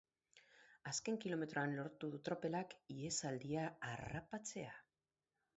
Azken kilometroan lortu du tropelak ihesaldia harrapatzea.